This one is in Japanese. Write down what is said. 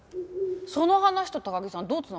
その話と高木さんどう繋がるの？